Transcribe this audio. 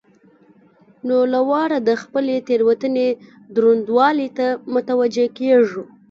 نو له واره د خپلې تېروتنې درونوالي ته متوجه کېږو.